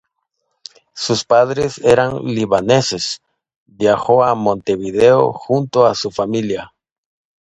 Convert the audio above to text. Sus padres eran libaneses, viajó a Montevideo junto a su familia.